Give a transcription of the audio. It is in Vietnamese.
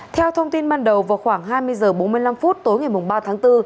theo thông tin ban đầu vào khoảng hai mươi h bốn mươi năm tối ngày ba tháng bốn